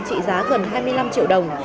trị giá gần hai mươi năm triệu đồng